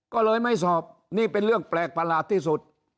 ก็เลยไม่สอบนี่เป็นเรื่องแปลกประหลาดที่สุด